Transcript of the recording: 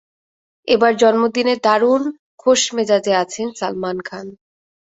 এবার জন্মদিনে দারুণ খোশমেজাজে আছেন সালমান খান।